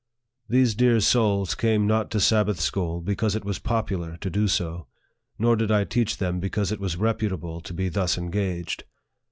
" These dear souls came not to Sabbath school because it was popular to do so, nor did I teach them because it was reputable to be thus engaged.